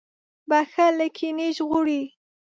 • بښل له کینې ژغوري.